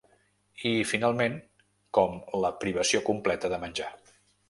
I, finalment, com la «privació completa de menjar».